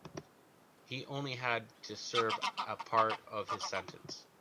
He only had to server a part of his sentence.